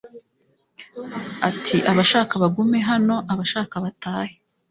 Ati “Abashaka bagume hano abashaka batahe